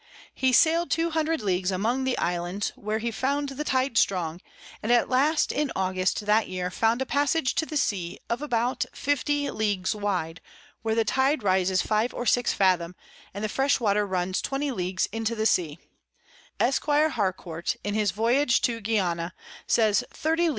He sail'd 200 Leagues among the Islands, where he found the Tide strong, and at last in August that Year found a Passage to the Sea of about 50 Ls. wide, where the Tide rises five or six fathom, and the fresh Water runs 20 Leagues into the Sea; Esquire Harcourt, in his Voyage to Guiana, says 30 Ls.